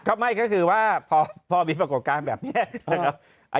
ก็คือว่าพอมีประกวดการณ์แบบนี้